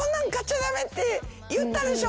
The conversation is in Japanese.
って言ったでしょ！